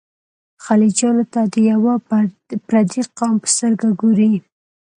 خلجیانو ته د یوه پردي قوم په سترګه ګوري.